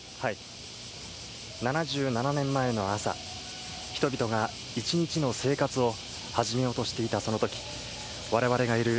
７７年前の朝、人々が一日の生活を始めようとしていたそのとき、われわれがいる